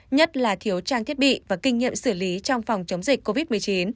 nhất là thiếu trang thiết bị và kinh nghiệm xử lý trong phòng chống dịch covid một mươi chín